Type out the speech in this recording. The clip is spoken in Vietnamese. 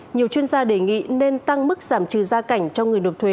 nhiều chuyên gia đề nghị nên tăng mức giảm trừ gia cảnh cho người nộp thuế